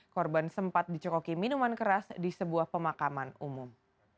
korban sempat dicekoki minuman keras di sebuah pemakaman umum